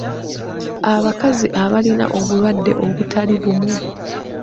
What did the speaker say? Abakazi abalina obulwadde obutali bumu.